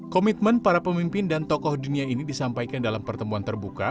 komitmen para pemimpin dan tokoh dunia ini disampaikan dalam pertemuan terbuka